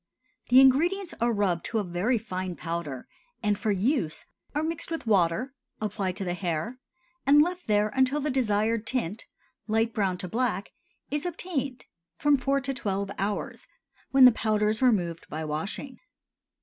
The ingredients are rubbed to a very fine powder and for use are mixed with water, applied to the hair, and left there until the desired tint—light brown to black—is obtained, from four to twelve hours, when the powder is removed by washing.